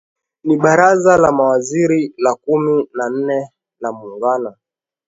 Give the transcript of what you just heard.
Ni Baraza la Mawaziri la kumi na nne la Muungano